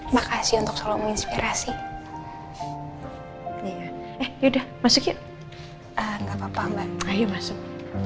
makasih untuk selalu menginspirasi ya eh yudha masukin enggak papa mbak ayo masuk